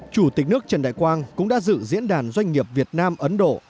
chủ tịch nước trần đại quang cũng đã dự diễn đàn doanh nghiệp việt nam ấn độ